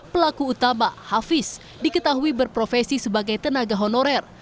pelaku utama hafiz diketahui berprofesi sebagai tenaga honorer